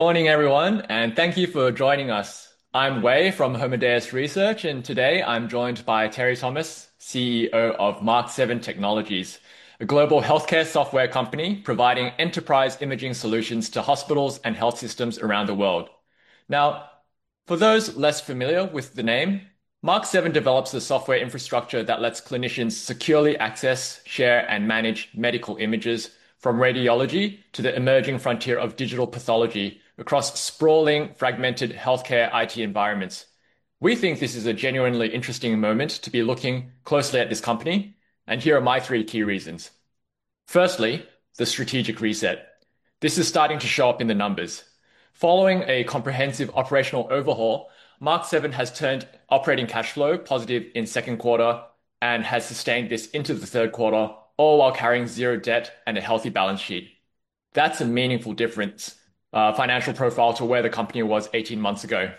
Morning everyone, thank you for joining us. I'm Wei from Homodeus Research, today I'm joined by Teri Thomas, CEO of Mach7 Technologies, a global healthcare software company providing enterprise imaging solutions to hospitals and health systems around the world. For those less familiar with the name, Mach7 develops the software infrastructure that lets clinicians securely access, share, and manage medical images from radiology to the emerging frontier of digital pathology across sprawling fragmented healthcare IT environments. We think this is a genuinely interesting moment to be looking closely at this company, here are my three key reasons. Firstly, the strategic reset. This is starting to show up in the numbers. Following a comprehensive operational overhaul, Mach7 has turned operating cash flow positive in second quarter and has sustained this into the third quarter, all while carrying zero debt and a healthy balance sheet. That's a meaningful different financial profile to where the company was 18 months ago.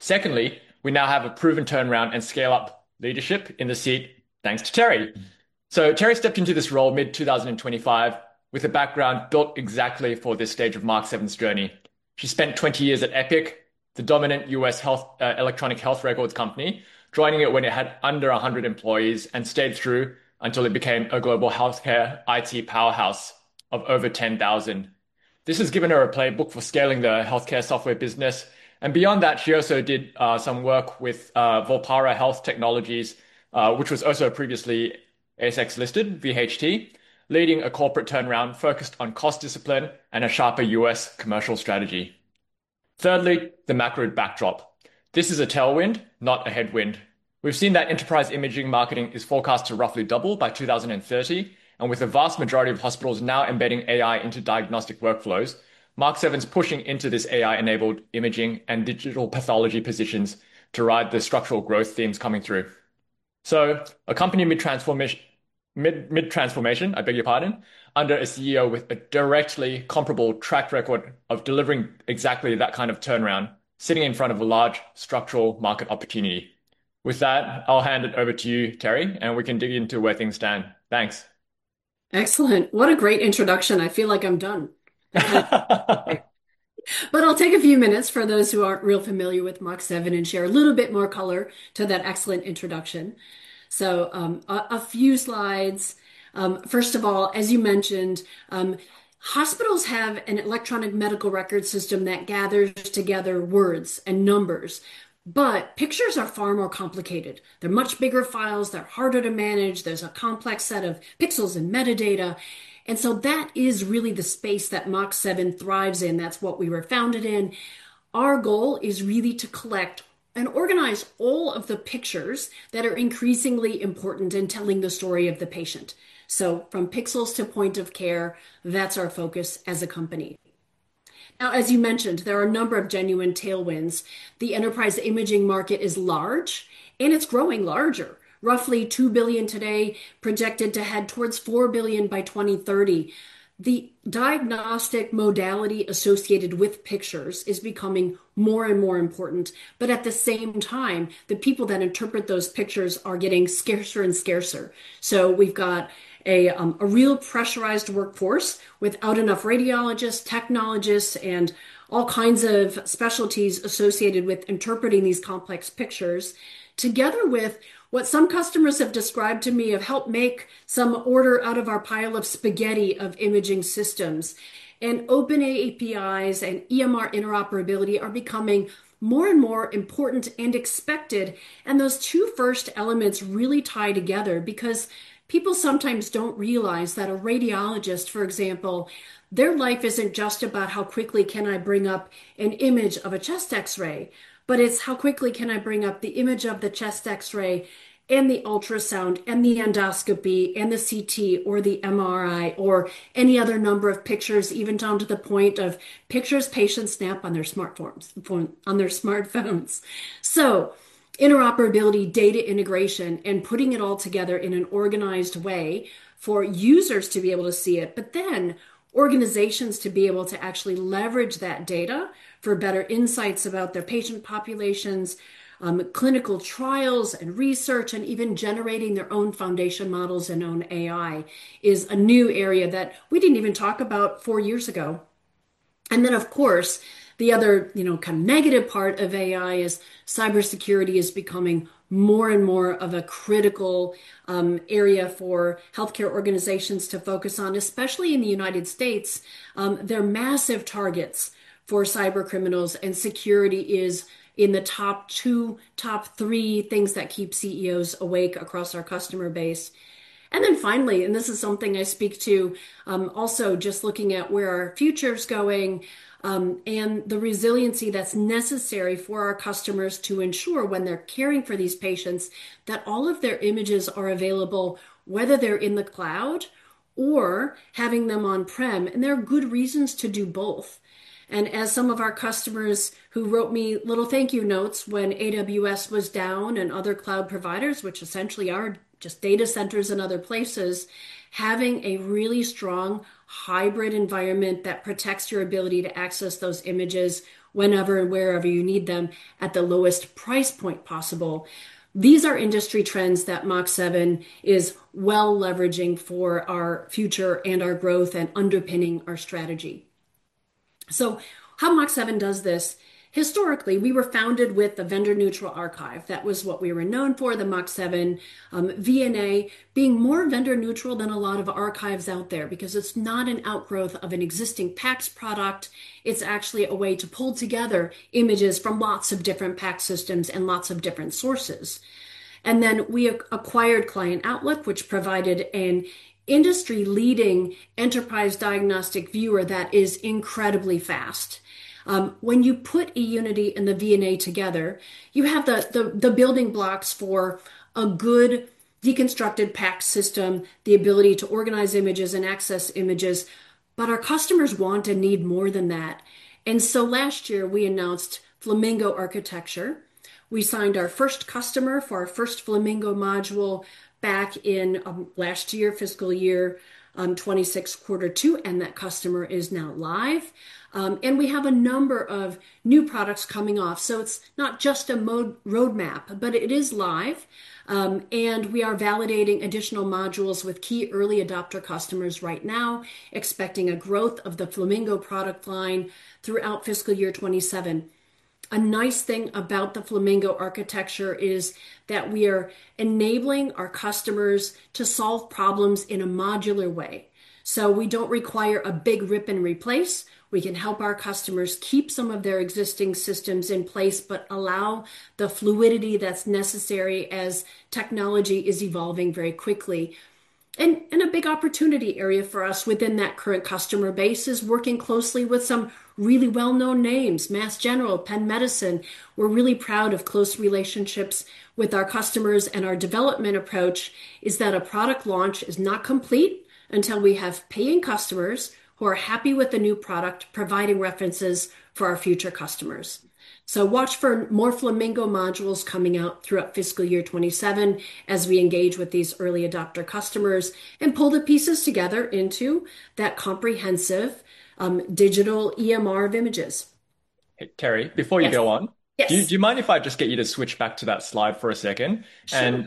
Secondly, we now have a proven turnaround and scale-up leadership in the seat thanks to Teri. Teri stepped into this role mid-2025 with a background built exactly for this stage of Mach7's journey. She spent 20 years at Epic, the dominant U.S. electronic health records company, joining it when it had under 100 employees and stayed through until it became a global healthcare IT powerhouse of over 10,000. This has given her a playbook for scaling the healthcare software business, beyond that, she also did some work with Volpara Health Technologies, which was also previously ASX listed, VHT, leading a corporate turnaround focused on cost discipline and a sharper U.S. commercial strategy. Thirdly, the macro backdrop. This is a tailwind, not a headwind. We've seen that enterprise imaging marketing is forecast to roughly double by 2030, and with the vast majority of hospitals now embedding AI into diagnostic workflows, Mach7's pushing into this AI-enabled imaging and digital pathology positions to ride the structural growth themes coming through. A company mid-transformation under a CEO with a directly comparable track record of delivering exactly that kind of turnaround, sitting in front of a large structural market opportunity. With that, I'll hand it over to you, Teri, and we can dig into where things stand. Thanks. Excellent. What a great introduction. I feel like I'm done. I'll take a few minutes for those who aren't real familiar with Mach7 and share a little bit more color to that excellent introduction. A few slides. First of all, as you mentioned, hospitals have an electronic medical record system that gathers together words and numbers, but pictures are far more complicated. They're much bigger files. They're harder to manage. There's a complex set of pixels and metadata, and so that is really the space that Mach7 thrives in. That's what we were founded in. Our goal is really to collect and organize all of the pictures that are increasingly important in telling the story of the patient. From pixels to point of care, that's our focus as a company. As you mentioned, there are a number of genuine tailwinds. The enterprise imaging market is large and it's growing larger, roughly 2 billion today, projected to head towards 4 billion by 2030. The diagnostic modality associated with pictures is becoming more and more important, but at the same time, the people that interpret those pictures are getting scarcer and scarcer. We've got a real pressurized workforce without enough radiologists, technologists, and all kinds of specialties associated with interpreting these complex pictures, together with what some customers have described to me of help make some order out of our pile of spaghetti of imaging systems. Open APIs and EMR interoperability are becoming more and more important and expected, and those two first elements really tie together because people sometimes don't realize that a radiologist, for example, their life isn't just about how quickly can I bring up an image of a chest X-ray, but it's how quickly can I bring up the image of the chest X-ray and the ultrasound and the endoscopy and the CT or the MRI or any other number of pictures, even down to the point of pictures patients snap on their smartphones. Interoperability, data integration and putting it all together in an organized way for users to be able to see it, but then organizations to be able to actually leverage that data for better insights about their patient populations, clinical trials and research, and even generating their own foundation models and own AI is a new area that we didn't even talk about four years ago. Of course, the other kind of negative part of AI is cybersecurity is becoming more and more of a critical area for healthcare organizations to focus on, especially in the United States. They're massive targets for cyber criminals, and security is in the top two, top three things that keep CEOs awake across our customer base. Finally, and this is something I speak to, also just looking at where our future's going, and the resiliency that's necessary for our customers to ensure when they're caring for these patients, that all of their images are available, whether they're in the cloud or having them on-prem. There are good reasons to do both. As some of our customers who wrote me little thank you notes when AWS was down and other cloud providers, which essentially are just data centers in other places, having a really strong hybrid environment that protects your ability to access those images whenever and wherever you need them at the lowest price point possible. These are industry trends that Mach7 is well leveraging for our future and our growth and underpinning our strategy. How Mach7 does this, historically, we were founded with the vendor-neutral archive. That was what we were known for, the Mach7 VNA, being more vendor neutral than a lot of archives out there because it's not an outgrowth of an existing PACS product. It's actually a way to pull together images from lots of different PACS systems and lots of different sources. Then we acquired Client Outlook, which provided an industry-leading enterprise diagnostic viewer that is incredibly fast. When you put eUnity and the VNA together, you have the building blocks for a good deconstructed PACS system, the ability to organize images and access images, our customers want and need more than that. Last year, we announced Flamingo Architecture. We signed our first customer for our first Flamingo module back in last year, fiscal year 2026, quarter two, and that customer is now live. We have a number of new products coming off. It's not just a roadmap, but it is live. We are validating additional modules with key early adopter customers right now, expecting a growth of the Flamingo product line throughout fiscal year 2027. A nice thing about the Flamingo Architecture is that we are enabling our customers to solve problems in a modular way. We don't require a big rip and replace. We can help our customers keep some of their existing systems in place, allow the fluidity that's necessary as technology is evolving very quickly. A big opportunity area for us within that current customer base is working closely with some really well-known names, Mass General, Penn Medicine. We're really proud of close relationships with our customers, our development approach is that a product launch is not complete until we have paying customers who are happy with the new product providing references for our future customers. Watch for more Flamingo modules coming out throughout fiscal year 2027 as we engage with these early adopter customers and pull the pieces together into that comprehensive digital EMR of images. Teri, before you go on. Yes Do you mind if I just get you to switch back to that slide for a second? Sure.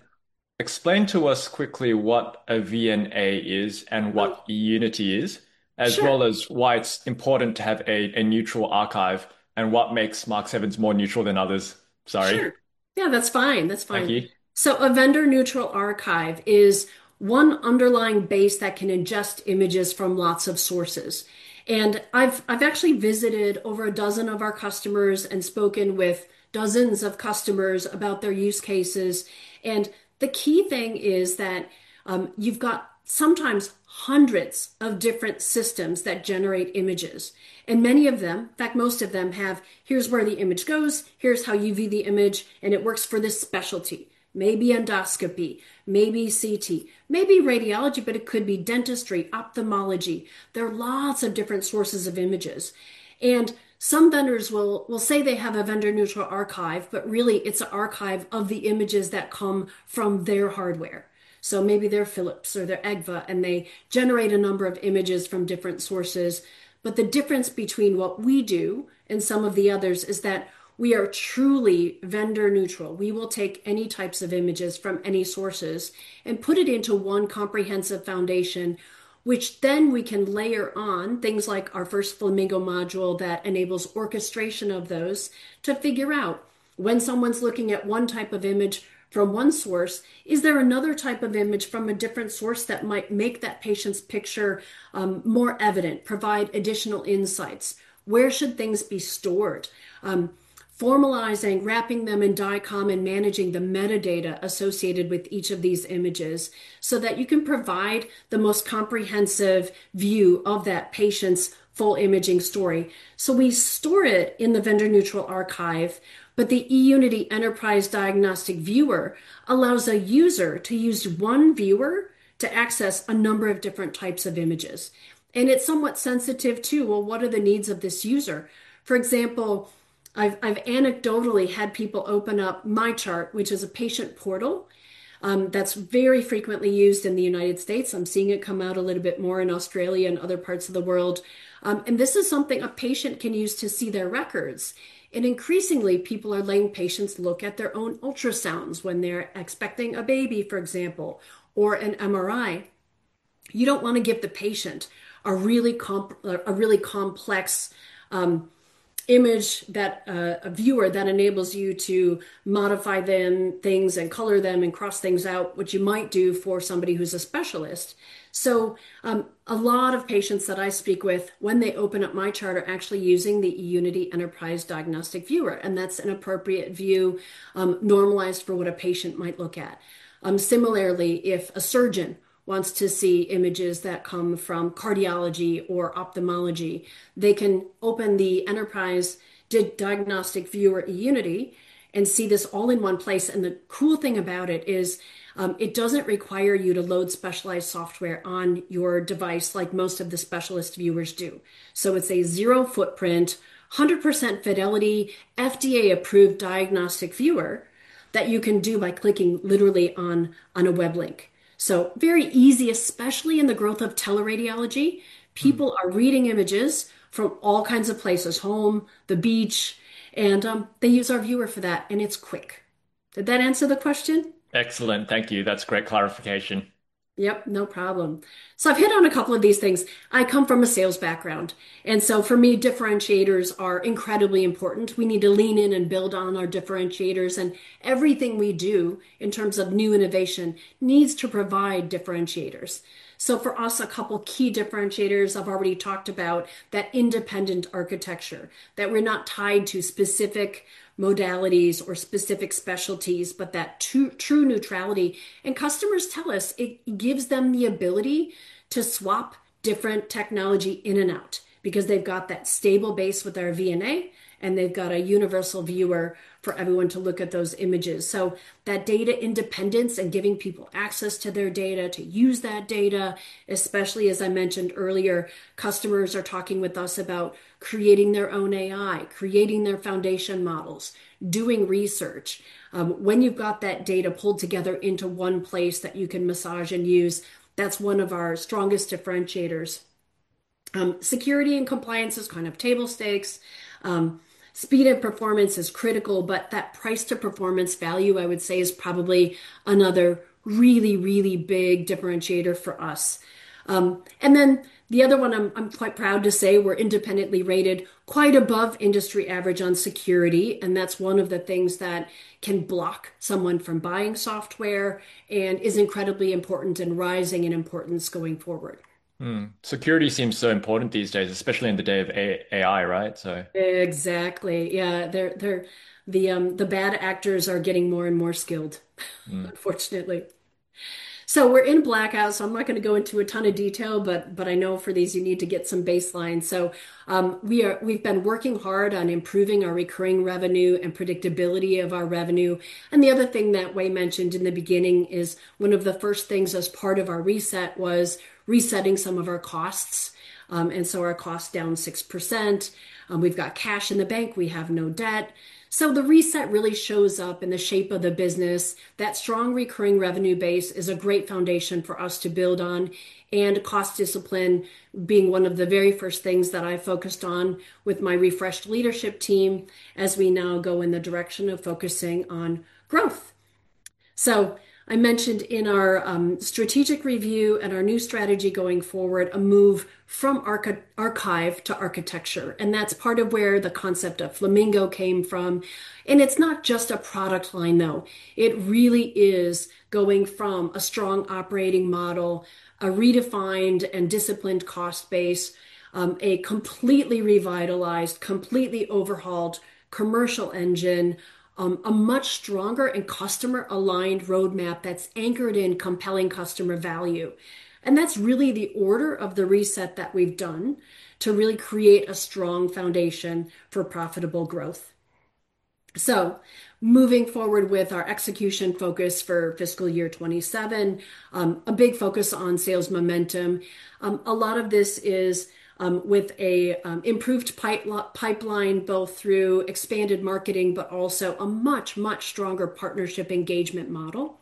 Explain to us quickly what a VNA is and what eUnity is. Sure As well as why it's important to have a neutral archive and what makes Mach7's more neutral than others? Sorry. Sure. Yeah, that's fine. Thank you. A vendor-neutral archive is one underlying base that can ingest images from lots of sources. I've actually visited over a dozen of our customers and spoken with dozens of customers about their use cases, the key thing is that you've got sometimes hundreds of different systems that generate images. Many of them, in fact, most of them have, here's where the image goes, here's how you view the image, and it works for this specialty, maybe endoscopy, maybe CT, maybe radiology, but it could be dentistry, ophthalmology. There are lots of different sources of images. Some vendors will say they have a vendor-neutral archive, but really it's an archive of the images that come from their hardware. Maybe they're Philips or they're Agfa, and they generate a number of images from different sources. The difference between what we do and some of the others is that we are truly vendor-neutral. We will take any types of images from any sources and put it into one comprehensive foundation, which then we can layer on things like our first Flamingo module that enables orchestration of those to figure out when someone's looking at one type of image from one source, is there another type of image from a different source that might make that patient's picture more evident, provide additional insights? Where should things be stored? Formalizing, wrapping them in DICOM, and managing the metadata associated with each of these images so that you can provide the most comprehensive view of that patient's full imaging story. We store it in the vendor-neutral archive, but the eUnity Enterprise Diagnostic Viewer allows a user to use one viewer to access a number of different types of images. It's somewhat sensitive to, well, what are the needs of this user? For example, I've anecdotally had people open up MyChart, which is a patient portal that's very frequently used in the United States. I'm seeing it come out a little bit more in Australia and other parts of the world. This is something a patient can use to see their records. Increasingly, people are letting patients look at their own ultrasounds when they're expecting a baby, for example, or an MRI. You don't want to give the patient a really complex image viewer that enables you to modify things and color them and cross things out, which you might do for somebody who's a specialist. A lot of patients that I speak with when they open up MyChart are actually using the eUnity Enterprise Diagnostic Viewer, and that's an appropriate view normalized for what a patient might look at. Similarly, if a surgeon wants to see images that come from cardiology or ophthalmology, they can open the Enterprise Diagnostic Viewer eUnity and see this all in one place. The cool thing about it is it doesn't require you to load specialized software on your device like most of the specialist viewers do. It's a zero footprint, 100% fidelity, FDA-approved diagnostic viewer that you can do by clicking literally on a web link. Very easy, especially in the growth of teleradiology. People are reading images from all kinds of places, home, the beach, and they use our viewer for that, and it's quick. Did that answer the question? Excellent. Thank you. That's great clarification. Yep, no problem. I've hit on a couple of these things. I come from a sales background, for me, differentiators are incredibly important. We need to lean in and build on our differentiators, everything we do in terms of new innovation needs to provide differentiators. For us, a couple key differentiators I've already talked about, that independent architecture, that we're not tied to specific modalities or specific specialties, but that true neutrality. Customers tell us it gives them the ability to swap different technology in and out because they've got that stable base with our VNA, and they've got a universal viewer for everyone to look at those images. Data independence and giving people access to their data to use that data, especially as I mentioned earlier, customers are talking with us about creating their own AI, creating their foundation models, doing research. When you've got that data pulled together into one place that you can massage and use, that's one of our strongest differentiators. Security and compliance is kind of table stakes. Speed and performance is critical, but that price to performance value, I would say, is probably another really, really big differentiator for us. The other one I'm quite proud to say we're independently rated quite above industry average on security, and that's one of the things that can block someone from buying software and is incredibly important and rising in importance going forward. Security seems so important these days, especially in the day of AI, right? Exactly, yeah. The bad actors are getting more and more skilled, unfortunately. We're in blackout, so I'm not going to go into a ton of detail, but I know for these you need to get some baseline. We've been working hard on improving our recurring revenue and predictability of our revenue. The other thing that Wei mentioned in the beginning is one of the first things as part of our reset was resetting some of our costs. Our cost down 6%. We've got cash in the bank. We have no debt. The reset really shows up in the shape of the business. That strong recurring revenue base is a great foundation for us to build on, and cost discipline being one of the very first things that I focused on with my refreshed leadership team as we now go in the direction of focusing on growth. I mentioned in our strategic review and our new strategy going forward, a move from archive to architecture, and that's part of where the concept of Flamingo came from. It's not just a product line, though. It really is going from a strong operating model, a redefined and disciplined cost base, a completely revitalized, completely overhauled commercial engine, a much stronger and customer-aligned roadmap that's anchored in compelling customer value. That's really the order of the reset that we've done to really create a strong foundation for profitable growth. Moving forward with our execution focus for fiscal year 2027, a big focus on sales momentum. A lot of this is with an improved pipeline, both through expanded marketing but also a much stronger partnership engagement model.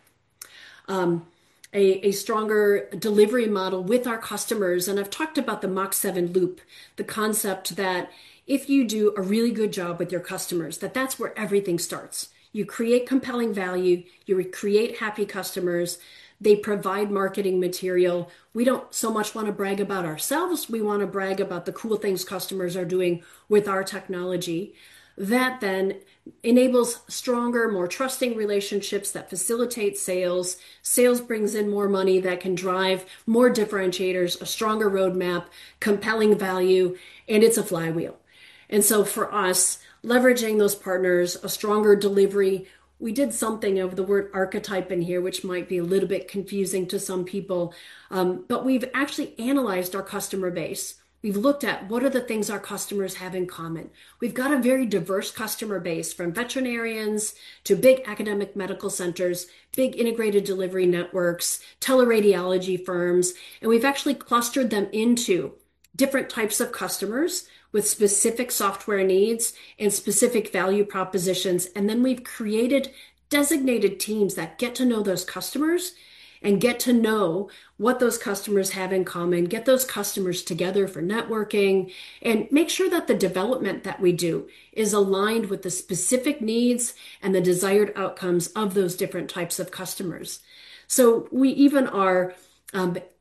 A stronger delivery model with our customers. I've talked about the Mach7 Loop, the concept that if you do a really good job with your customers, that that's where everything starts. You create compelling value. You create happy customers. They provide marketing material. We don't so much want to brag about ourselves. We want to brag about the cool things customers are doing with our technology. That then enables stronger, more trusting relationships that facilitate sales. Sales brings in more money that can drive more differentiators, a stronger roadmap, compelling value, and it's a flywheel. For us, leveraging those partners, a stronger delivery. We did something of the word archetype in here, which might be a little bit confusing to some people. We've actually analyzed our customer base. We've looked at what are the things our customers have in common. We've got a very diverse customer base, from veterinarians to big academic medical centers, big integrated delivery networks, teleradiology firms, and we've actually clustered them into different types of customers with specific software needs and specific value propositions. We've created designated teams that get to know those customers and get to know what those customers have in common, get those customers together for networking, and make sure that the development that we do is aligned with the specific needs and the desired outcomes of those different types of customers. We even are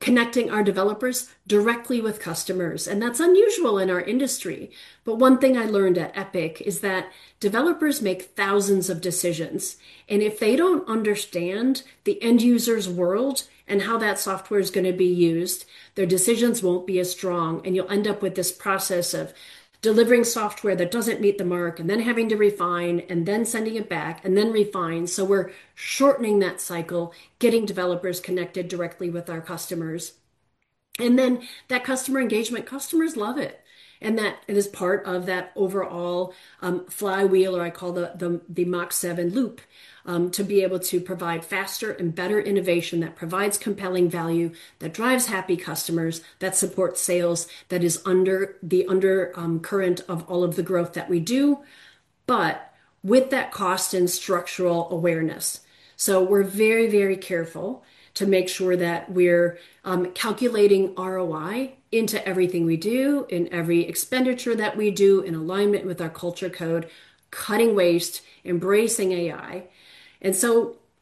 connecting our developers directly with customers, and that's unusual in our industry. One thing I learned at Epic is that developers make thousands of decisions, and if they don't understand the end user's world and how that software's going to be used, their decisions won't be as strong, and you'll end up with this process of delivering software that doesn't meet the mark, and then having to refine, and then sending it back, and then refine. We're shortening that cycle, getting developers connected directly with our customers. That customer engagement, customers love it. That it is part of that overall flywheel, or I call the Mach7 Loop, to be able to provide faster and better innovation that provides compelling value, that drives happy customers, that supports sales, that is under the undercurrent of all of the growth that we do, but with that cost and structural awareness. We're very careful to make sure that we're calculating ROI into everything we do, in every expenditure that we do in alignment with our culture code, cutting waste, embracing AI.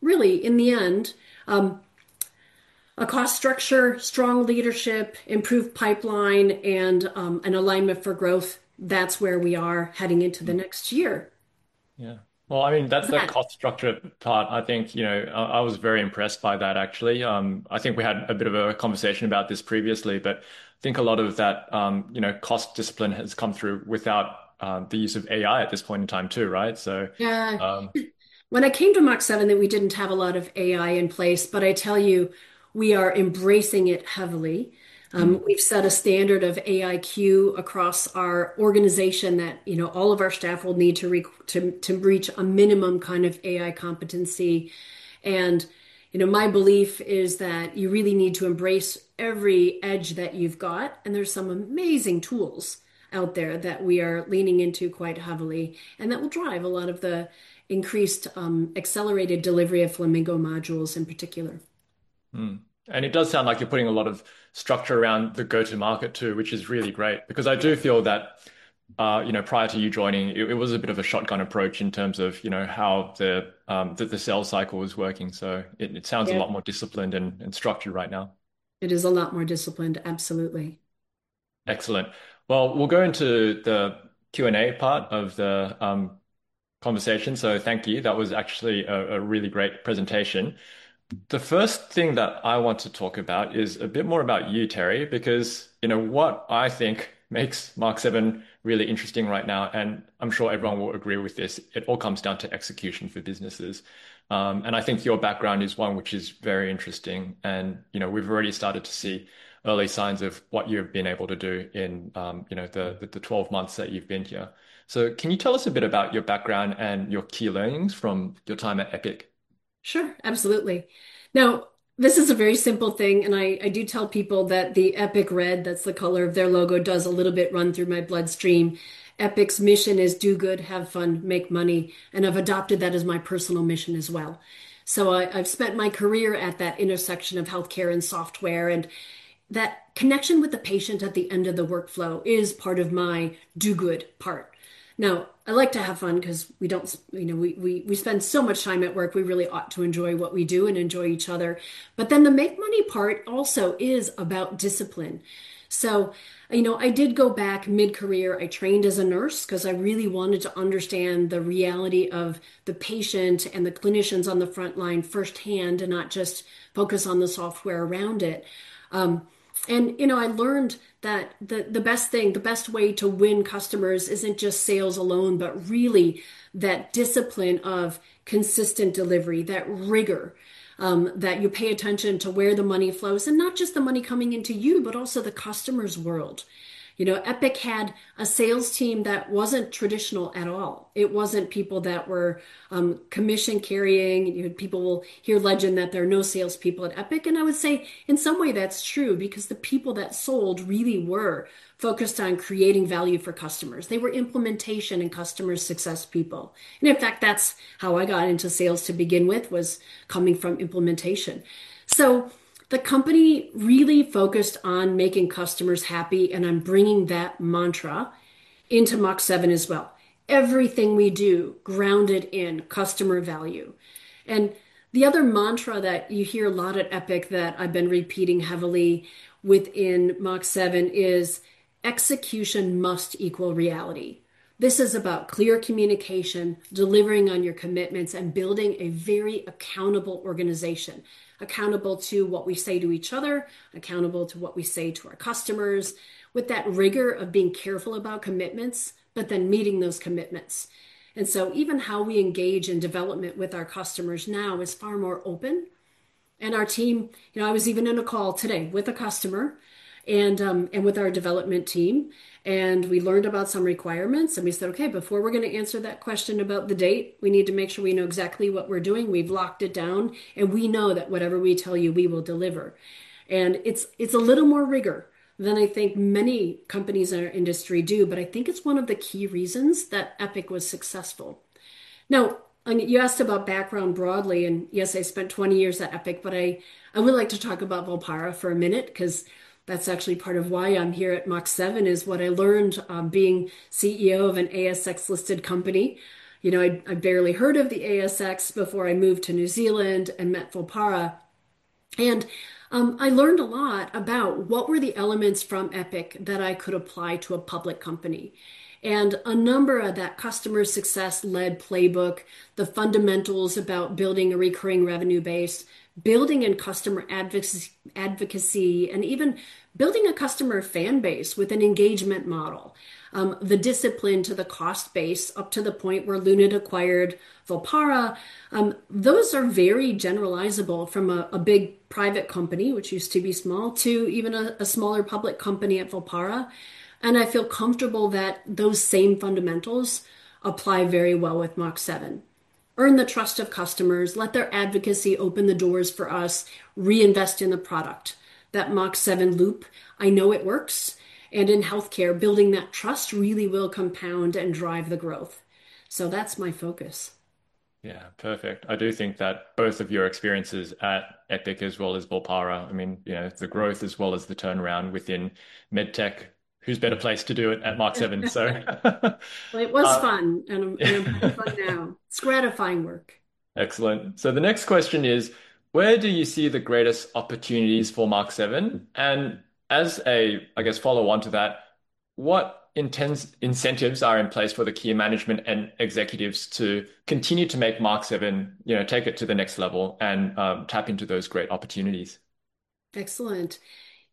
Really in the end, a cost structure, strong leadership, improved pipeline, and an alignment for growth. That's where we are heading into the next year. Yeah. Well, that cost structure part, I was very impressed by that actually. I think we had a bit of a conversation about this previously, but I think a lot of that cost discipline has come through without the use of AI at this point in time too, right? Yeah. When I came to Mach7, we didn't have a lot of AI in place, but I tell you, we are embracing it heavily. We've set a standard of AIQ across our organization that all of our staff will need to reach a minimum kind of AI competency. My belief is that you really need to embrace every edge that you've got, and there's some amazing tools out there that we are leaning into quite heavily, and that will drive a lot of the increased accelerated delivery of Flamingo modules in particular. It does sound like you're putting a lot of structure around the go-to-market too, which is really great, because I do feel that prior to you joining, it was a bit of a shotgun approach in terms of how the sales cycle was working. Yeah It sounds a lot more disciplined and structured right now. It is a lot more disciplined. Absolutely. Excellent. We'll go into the Q&A part of the conversation. Thank you. That was actually a really great presentation. The first thing that I want to talk about is a bit more about you, Teri, because what I think makes Mach7 really interesting right now, and I'm sure everyone will agree with this, it all comes down to execution for businesses. I think your background is one which is very interesting and we've already started to see early signs of what you've been able to do in the 12 months that you've been here. Can you tell us a bit about your background and your key learnings from your time at Epic? Sure. Absolutely. This is a very simple thing, I do tell people that the Epic red, that's the color of their logo, does a little bit run through my bloodstream. Epic's mission is do good, have fun, make money, I've adopted that as my personal mission as well. The make money part also is about discipline. I did go back mid-career. I trained as a nurse because I really wanted to understand the reality of the patient and the clinicians on the frontline firsthand and not just focus on the software around it. I learned that the best way to win customers isn't just sales alone, but really that discipline of consistent delivery, that rigor, that you pay attention to where the money flows. Not just the money coming into you, but also the customer's world. Epic had a sales team that wasn't traditional at all. It wasn't people that were commission-carrying. You had people will hear legend that there are no salespeople at Epic. I would say in some way that's true because the people that sold really were focused on creating value for customers. They were implementation in customers success people. In fact, that's how I got into sales to begin with was coming from implementation. The company really focused on making customers happy. I'm bringing that mantra into Mach7 as well. Everything we do grounded in customer value. The other mantra that you hear a lot at Epic that I've been repeating heavily within Mach7 is execution must equal reality. This is about clear communication, delivering on your commitments, and building a very accountable organization. Accountable to what we say to each other, accountable to what we say to our customers with that rigor of being careful about commitments, meeting those commitments. Even how we engage in development with our customers now is far more open. I was even in a call today with a customer with our development team, we learned about some requirements, we said, "Okay, before we're going to answer that question about the date, we need to make sure we know exactly what we're doing. We've locked it down, we know that whatever we tell you, we will deliver." It's a little more rigor than I think many companies in our industry do, I think it's one of the key reasons that Epic was successful. You asked about background broadly, I spent 20 years at Epic, I would like to talk about Volpara for a minute because that's actually part of why I'm here at Mach7 is what I learned being CEO of an ASX-listed company. I barely heard of the ASX before I moved to New Zealand and met Volpara. I learned a lot about what were the elements from Epic that I could apply to a public company. A number of that customer success-led playbook, the fundamentals about building a recurring revenue base, building in customer advocacy, even building a customer fan base with an engagement model. The discipline to the cost base up to the point where Lunit acquired Volpara. Those are very generalizable from a big private company, which used to be small, to even a smaller public company at Volpara. I feel comfortable that those same fundamentals apply very well with Mach7. Earn the trust of customers, let their advocacy open the doors for us, reinvest in the product. That Mach7 Loop, I know it works, in healthcare, building that trust really will compound and drive the growth. That's my focus. Perfect. I do think that both of your experiences at Epic as well as Volpara, the growth as well as the turnaround within med tech, who's better placed to do it at Mach7. Well, it was fun, and I'm having fun now. It's gratifying work. The next question is: where do you see the greatest opportunities for Mach7? As a follow-on to that, what incentives are in place for the key management and executives to continue to make Mach7, take it to the next level and tap into those great opportunities? Excellent.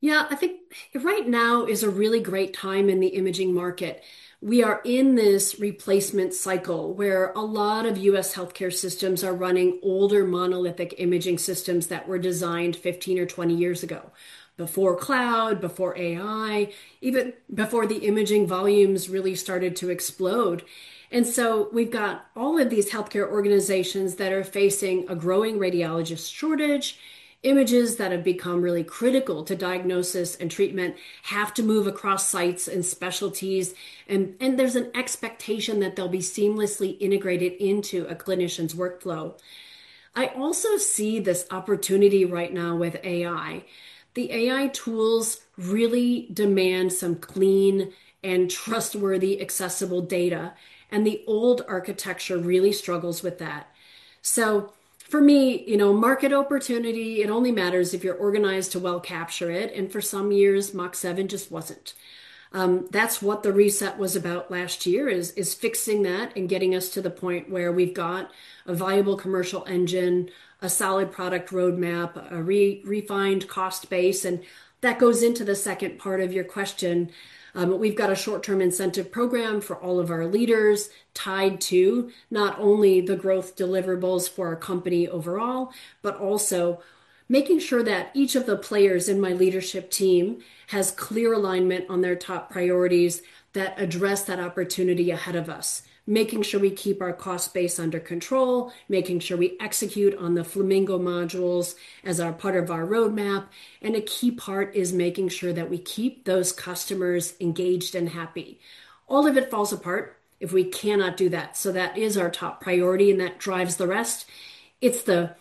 I think right now is a really great time in the imaging market. We are in this replacement cycle where a lot of U.S. healthcare systems are running older monolithic imaging systems that were designed 15 or 20 years ago, before cloud, before AI, even before the imaging volumes really started to explode. We've got all of these healthcare organizations that are facing a growing radiologist shortage. Images that have become really critical to diagnosis and treatment have to move across sites and specialties, and there's an expectation that they'll be seamlessly integrated into a clinician's workflow. I also see this opportunity right now with AI. The AI tools really demand some clean and trustworthy accessible data, and the old architecture really struggles with that. For me, market opportunity, it only matters if you're organized to well capture it, and for some years, Mach7 just wasn't. That's what the reset was about last year is fixing that and getting us to the point where we've got a viable commercial engine, a solid product roadmap, a refined cost base, and that goes into the second part of your question. We've got a short-term incentive program for all of our leaders tied to not only the growth deliverables for our company overall, but also making sure that each of the players in my leadership team has clear alignment on their top priorities that address that opportunity ahead of us. Making sure we keep our cost base under control, making sure we execute on the Flamingo modules as our part of our roadmap, and a key part is making sure that we keep those customers engaged and happy. All of it falls apart if we cannot do that. That is our top priority and that drives the rest. It's the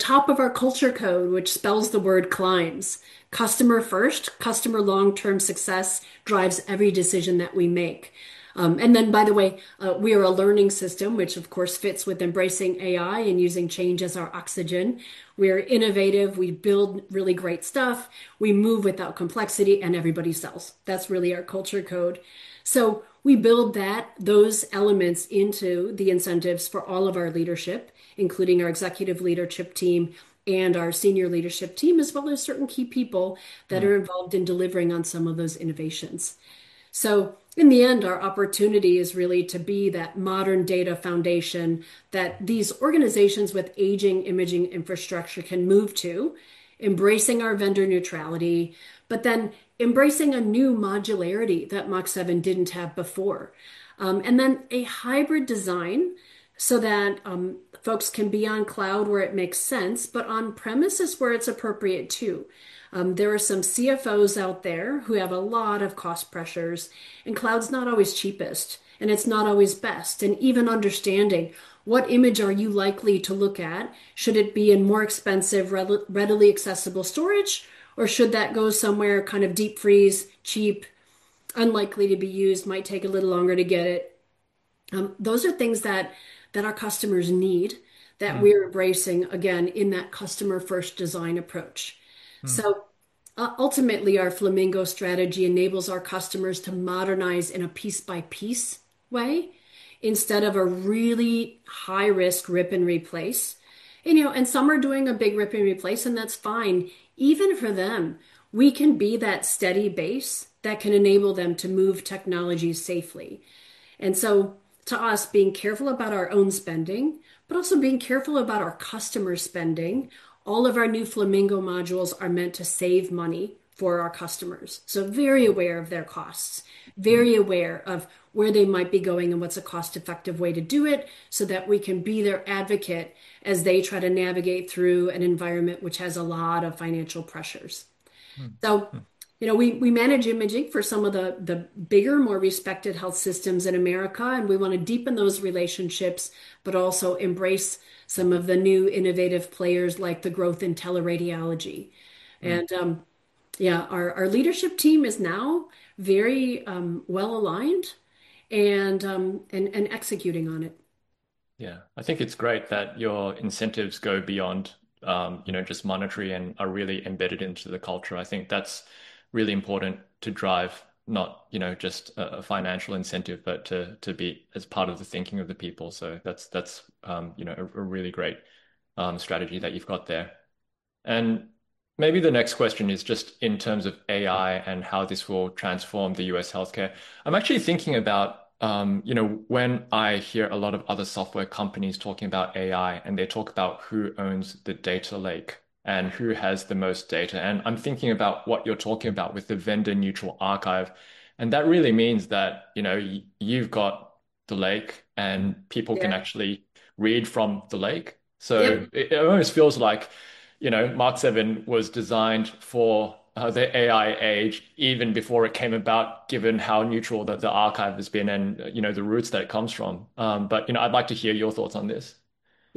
top of our culture code, which spells the word CLIMBS. Customer first, customer long-term success drives every decision that we make. By the way, we are a learning system, which of course fits with embracing AI and using change as our oxygen. We're innovative, we build really great stuff, we move without complexity, and everybody sells. That's really our culture code. We build those elements into the incentives for all of our leadership, including our executive leadership team and our senior leadership team, as well as certain key people that are involved in delivering on some of those innovations. In the end, our opportunity is really to be that modern data foundation that these organizations with aging imaging infrastructure can move to, embracing our vendor neutrality, but then embracing a new modularity that Mach7 didn't have before. A hybrid design so that folks can be on cloud where it makes sense, but on premises where it's appropriate too. There are some CFOs out there who have a lot of cost pressures, and cloud's not always cheapest and it's not always best. Even understanding what image are you likely to look at, should it be in more expensive, readily accessible storage, or should that go somewhere kind of deep freeze, cheap, unlikely to be used, might take a little longer to get it? Those are things that our customers need that we're embracing, again, in that customer-first design approach. Ultimately, our Flamingo strategy enables our customers to modernize in a piece-by-piece way instead of a really high-risk rip and replace. Some are doing a big rip and replace, and that's fine. Even for them, we can be that steady base that can enable them to move technology safely. To us, being careful about our own spending, but also being careful about our customers' spending. All of our new Flamingo modules are meant to save money for our customers. Very aware of their costs, very aware of where they might be going and what's a cost-effective way to do it so that we can be their advocate as they try to navigate through an environment which has a lot of financial pressures. We manage imaging for some of the bigger, more respected health systems in America, and we want to deepen those relationships, but also embrace some of the new innovative players, like the growth in teleradiology. Yeah, our leadership team is now very well-aligned and executing on it. Yeah. I think it's great that your incentives go beyond just monetary and are really embedded into the culture. I think that's really important to drive not just a financial incentive, but to be as part of the thinking of the people. That's a really great strategy that you've got there. Maybe the next question is just in terms of AI and how this will transform the U.S. healthcare. I'm actually thinking about when I hear a lot of other software companies talking about AI, and they talk about who owns the data lake and who has the most data. I'm thinking about what you're talking about with the vendor-neutral archive. That really means that you've got the lake and people- Yeah can actually read from the lake. Yeah. It almost feels like Mach7 was designed for the AI age even before it came about, given how neutral that the archive has been and the roots that it comes from. I'd like to hear your thoughts on this.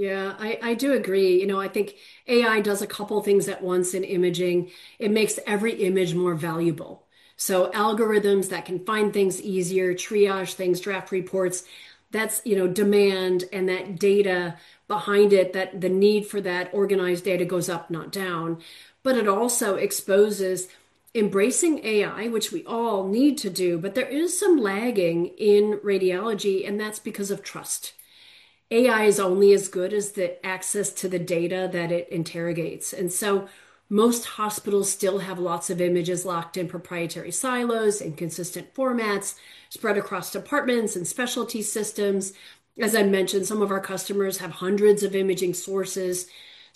I do agree. I think AI does a couple things at once in imaging. It makes every image more valuable. Algorithms that can find things easier, triage things, draft reports, that's demand and that data behind it, the need for that organized data goes up, not down. It also exposes Embracing AI, which we all need to do, but there is some lagging in radiology, and that's because of trust. AI is only as good as the access to the data that it interrogates, and most hospitals still have lots of images locked in proprietary silos, inconsistent formats, spread across departments and specialty systems. As I mentioned, some of our customers have hundreds of imaging sources.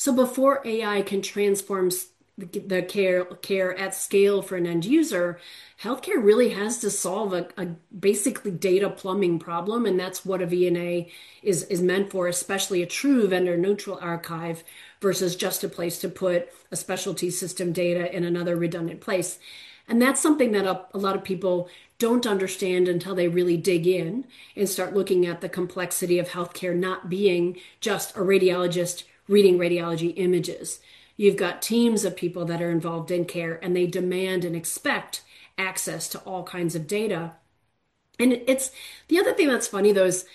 Before AI can transform the care at scale for an end user, healthcare really has to solve a basically data plumbing problem, and that's what a VNA is meant for, especially a true vendor-neutral archive versus just a place to put a specialty system data in another redundant place. That's something that a lot of people don't understand until they really dig in and start looking at the complexity of healthcare not being just a radiologist reading radiology images. You've got teams of people that are involved in care, and they demand and expect access to all kinds of data. The other thing that's funny, though, is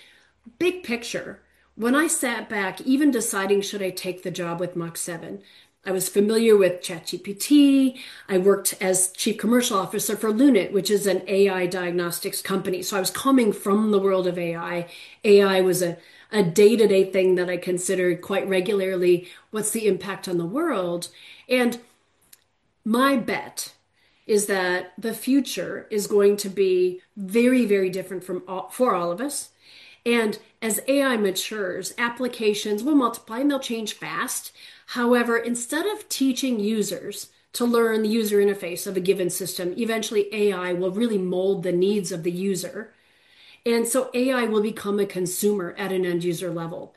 big picture. When I sat back even deciding should I take the job with Mach7, I was familiar with ChatGPT. I worked as chief commercial officer for Lunit, which is an AI diagnostics company. I was coming from the world of AI. AI was a day-to-day thing that I considered quite regularly. What's the impact on the world? My bet is that the future is going to be very, very different for all of us. As AI matures, applications will multiply, and they'll change fast. However, instead of teaching users to learn the user interface of a given system, eventually AI will really mold the needs of the user. AI will become a consumer at an end-user level.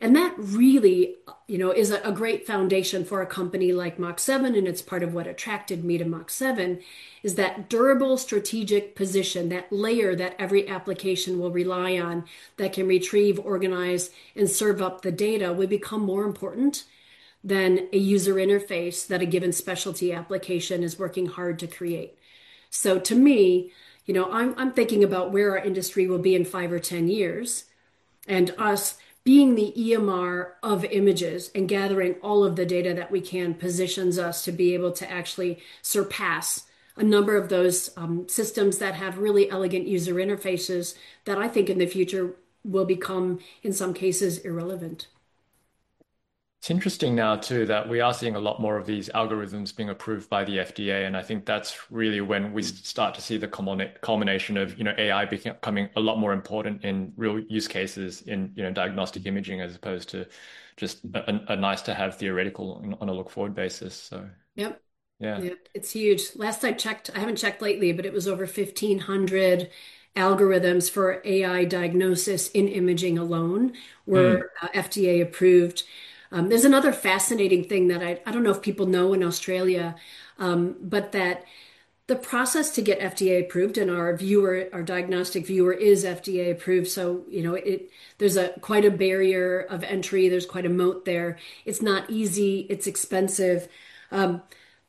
That really is a great foundation for a company like Mach7, and it's part of what attracted me to Mach7 is that durable strategic position, that layer that every application will rely on that can retrieve, organize, and serve up the data will become more important than a user interface that a given specialty application is working hard to create. To me, I'm thinking about where our industry will be in five or 10 years, and us being the EMR of images and gathering all of the data that we can positions us to be able to actually surpass a number of those systems that have really elegant user interfaces that I think in the future will become, in some cases, irrelevant. It's interesting now, too, that we are seeing a lot more of these algorithms being approved by the FDA. I think that's really when we start to see the culmination of AI becoming a lot more important in real use cases in diagnostic imaging as opposed to just a nice-to-have theoretical on a look-forward basis. Yep. Yeah. Yeah. It's huge. Last I checked, I haven't checked lately, but it was over 1,500 algorithms for AI diagnosis in imaging alone. Were FDA approved. There's another fascinating thing that I don't know if people know in Australia, but that the process to get FDA approved. Our diagnostic viewer is FDA approved, so there's quite a barrier of entry. There's quite a moat there. It's not easy. It's expensive.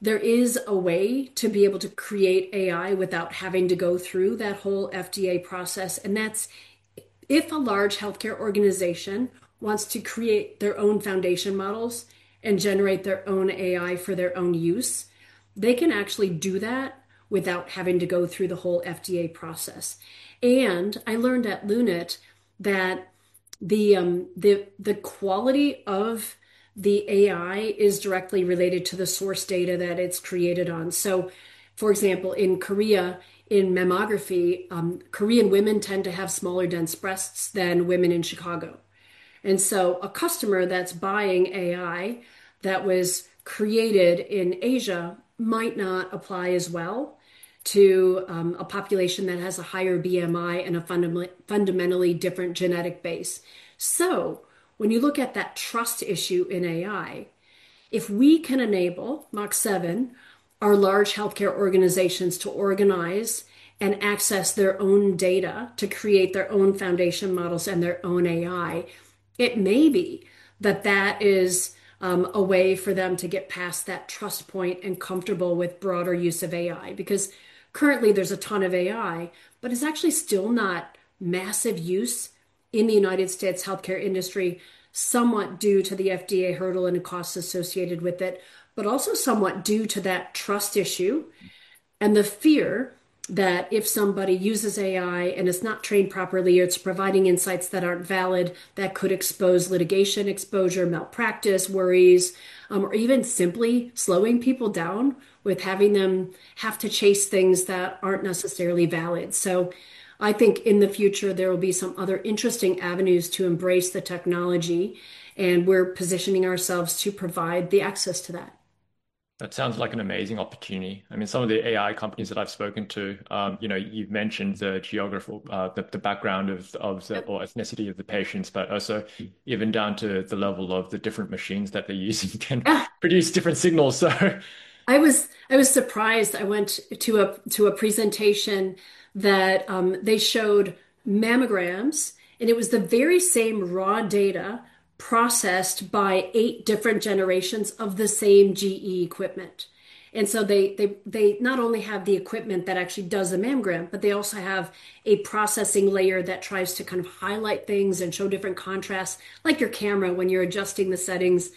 There is a way to be able to create AI without having to go through that whole FDA process. That's if a large healthcare organization wants to create their own foundation models and generate their own AI for their own use, they can actually do that without having to go through the whole FDA process. I learned at Lunit that the quality of the AI is directly related to the source data that it's created on. For example, in Korea, in mammography, Korean women tend to have smaller, dense breasts than women in Chicago. A customer that's buying AI that was created in Asia might not apply as well to a population that has a higher BMI and a fundamentally different genetic base. When you look at that trust issue in AI, if we can enable, Mach7, our large healthcare organizations to organize and access their own data to create their own foundation models and their own AI, it may be that that is a way for them to get past that trust point and comfortable with broader use of AI. Currently there's a ton of AI, but it's actually still not massive use in the United States healthcare industry, somewhat due to the FDA hurdle and the costs associated with it, but also somewhat due to that trust issue and the fear that if somebody uses AI and it's not trained properly or it's providing insights that aren't valid, that could expose litigation exposure, malpractice worries, or even simply slowing people down with having them have to chase things that aren't necessarily valid. I think in the future, there will be some other interesting avenues to embrace the technology, and we're positioning ourselves to provide the access to that. That sounds like an amazing opportunity. Some of the AI companies that I've spoken to, you've mentioned the background of the- Yep ethnicity of the patients, but also even down to the level of the different machines that they're using can produce different signals. I was surprised. I went to a presentation that they showed mammograms, and it was the very same raw data processed by eight different generations of the same GE equipment. They not only have the equipment that actually does a mammogram, but they also have a processing layer that tries to kind of highlight things and show different contrasts. Like your camera when you're adjusting the settings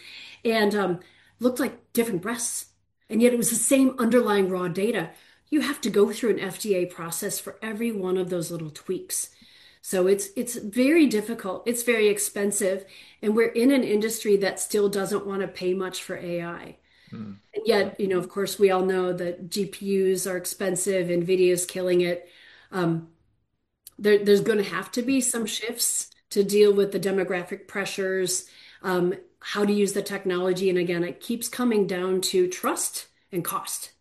and looked like different breasts, and yet it was the same underlying raw data. You have to go through an FDA process for every one of those little tweaks. It's very difficult. It's very expensive, and we're in an industry that still doesn't want to pay much for AI. Yet, of course, we all know that GPUs are expensive, NVIDIA's killing it. There's going to have to be some shifts to deal with the demographic pressures, how to use the technology, and again, it keeps coming down to trust and cost.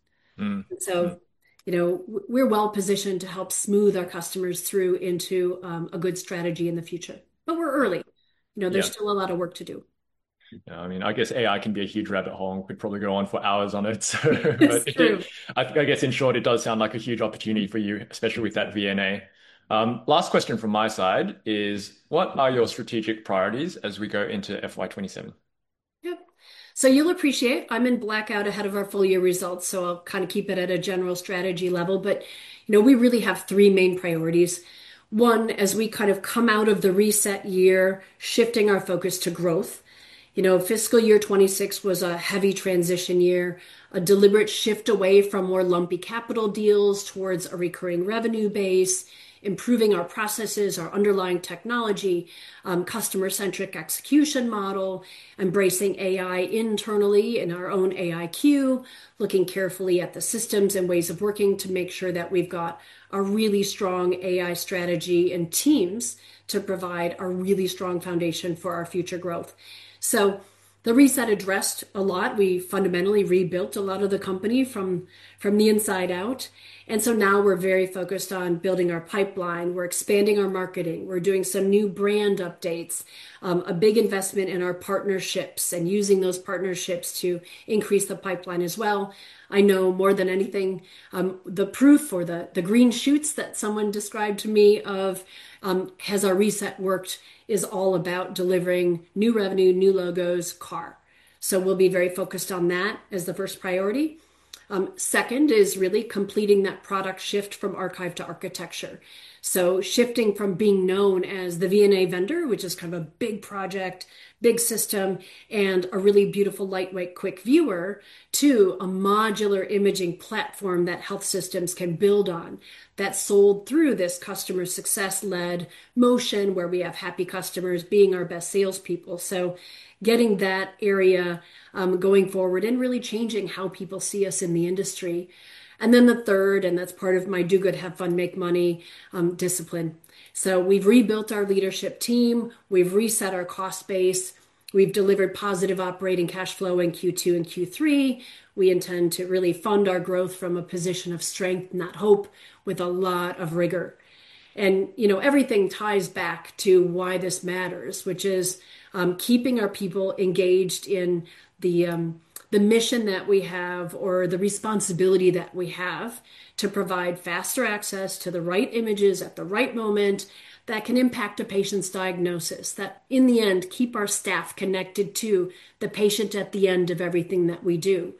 We're well-positioned to help smooth our customers through into a good strategy in the future. We're early. Yeah. There's still a lot of work to do. I guess AI can be a huge rabbit hole and we could probably go on for hours on it. It's true. I guess, in short, it does sound like a huge opportunity for you, especially with that VNA. Last question from my side is, what are your strategic priorities as we go into FY 2027? Yep. You'll appreciate I'm in blackout ahead of our full year results, I'll keep it at a general strategy level. We really have three main priorities. One, as we come out of the reset year, shifting our focus to growth. Fiscal year 2026 was a heavy transition year, a deliberate shift away from more lumpy capital deals towards a recurring revenue base, improving our processes, our underlying technology, customer-centric execution model, embracing AI internally in our own AIQ, looking carefully at the systems and ways of working to make sure that we've got a really strong AI strategy and teams to provide a really strong foundation for our future growth. The reset addressed a lot. We fundamentally rebuilt a lot of the company from the inside out, and now we're very focused on building our pipeline. We're expanding our marketing. We're doing some new brand updates, a big investment in our partnerships, using those partnerships to increase the pipeline as well. I know more than anything, the proof or the green shoots that someone described to me of, has our reset worked, is all about delivering new revenue, new logos [CAR]. We'll be very focused on that as the first priority. Second is really completing that product shift from archive to architecture. Shifting from being known as the VNA vendor, which is kind of a big project, big system, and a really beautiful, lightweight, quick viewer, to a modular imaging platform that health systems can build on, that's sold through this customer success-led motion where we have happy customers being our best salespeople. Getting that area going forward and really changing how people see us in the industry. The third, and that's part of my do good, have fun, make money discipline. We've rebuilt our leadership team. We've reset our cost base. We've delivered positive operating cash flow in Q2 and Q3. We intend to really fund our growth from a position of strength, not hope, with a lot of rigor. Everything ties back to why this matters, which is keeping our people engaged in the mission that we have or the responsibility that we have to provide faster access to the right images at the right moment that can impact a patient's diagnosis. That, in the end, keep our staff connected to the patient at the end of everything that we do.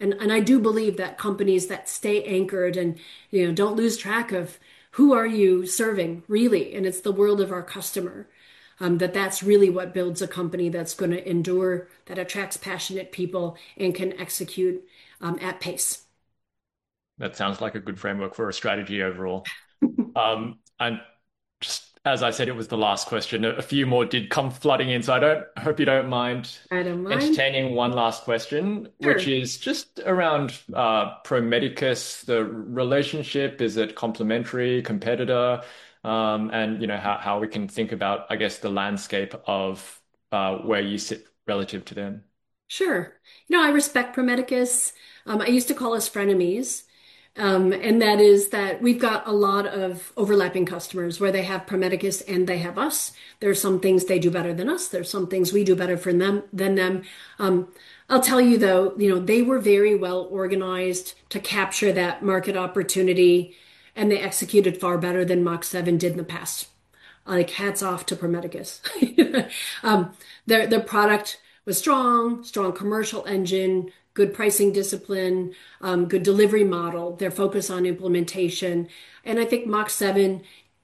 I do believe that companies that stay anchored and don't lose track of, who are you serving, really, and it's the world of our customer. That's really what builds a company that's going to endure, that attracts passionate people and can execute at pace. That sounds like a good framework for a strategy overall. Just as I said it was the last question, a few more did come flooding in, I hope you don't mind. I don't mind entertaining one last question. Sure. Which is just around Pro Medicus, the relationship. Is it complementary? Competitor? How we can think about, I guess, the landscape of where you sit relative to them. Sure. I respect Pro Medicus. I used to call us frenemies. That is that we've got a lot of overlapping customers where they have Pro Medicus and they have us. There are some things they do better than us. There are some things we do better than them. I'll tell you though, they were very well-organized to capture that market opportunity, and they executed far better than Mach7 did in the past. Hats off to Pro Medicus. Their product was strong commercial engine, good pricing discipline, good delivery model, their focus on implementation. I think Mach7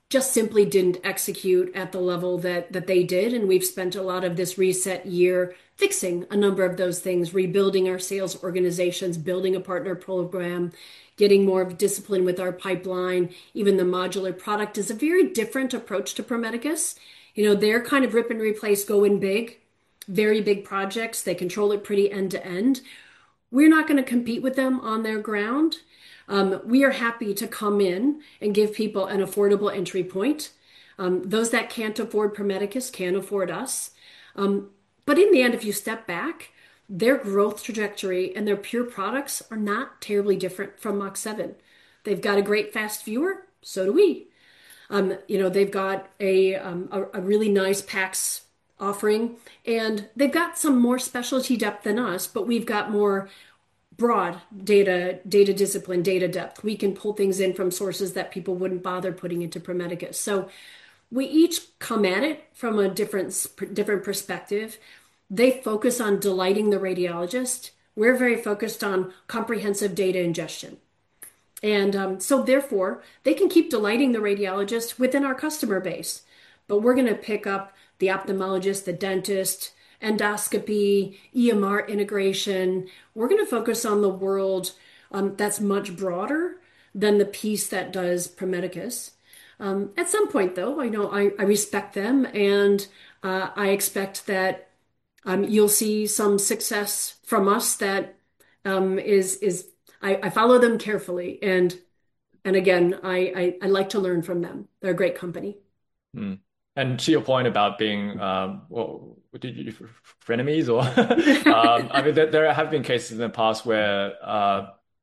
just simply didn't execute at the level that they did, and we've spent a lot of this reset year fixing a number of those things, rebuilding our sales organizations, building a partner program, getting more of discipline with our pipeline. Even the modular product is a very different approach to Pro Medicus. They're kind of rip and replace, go in big, very big projects. They control it pretty end to end. We're not going to compete with them on their ground. We are happy to come in and give people an affordable entry point. Those that can't afford Pro Medicus can afford us. In the end, if you step back, their growth trajectory and their pure products are not terribly different from Mach7. They've got a great fast viewer, so do we. They've got a really nice PACS offering, and they've got some more specialty depth than us, but we've got more broad data discipline, data depth. We can pull things in from sources that people wouldn't bother putting into Pro Medicus. We each come at it from a different perspective. They focus on delighting the radiologist. We're very focused on comprehensive data ingestion. They can keep delighting the radiologist within our customer base. We're going to pick up the ophthalmologist, the dentist, endoscopy, EMR integration. We're going to focus on the world that's much broader than the piece that does Pro Medicus. At some point, though, I respect them and I expect that you'll see some success from us. I follow them carefully and, again, I like to learn from them. They're a great company. To your point about being, well, frenemies or? There have been cases in the past where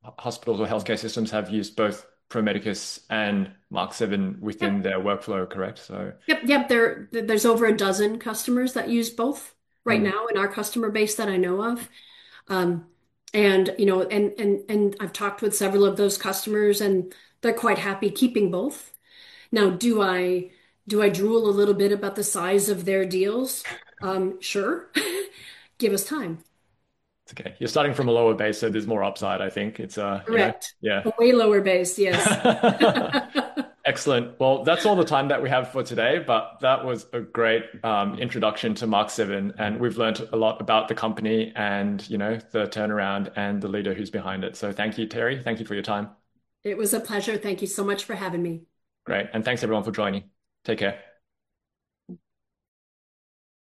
hospitals or healthcare systems have used both Pro Medicus and Mach7 within- Yeah their workflow, correct? Yep. There's over a dozen customers that use both right now in our customer base that I know of. I've talked with several of those customers, and they're quite happy keeping both. Now, do I drool a little bit about the size of their deals? Sure. Give us time. It's okay. You're starting from a lower base, there's more upside, I think. Correct. Yeah. Way lower base, yes. Excellent. Well, that's all the time that we have for today, that was a great introduction to Mach7, we've learnt a lot about the company and the turnaround and the leader who's behind it. Thank you, Teri. Thank you for your time. It was a pleasure. Thank you so much for having me. Great. Thanks everyone for joining. Take care.